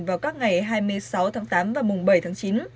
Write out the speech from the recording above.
vào các ngày hai mươi sáu tháng tám và mùng bảy tháng chín